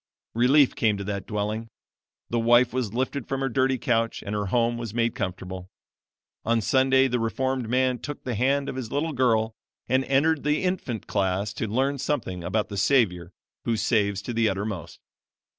"Relief came to that dwelling. The wife was lifted from her dirty couch, and her home was made comfortable. On Sunday, the reformed man took the hand of his little girl and entered the infant class to learn something about the Savior 'who saves to the uttermost.'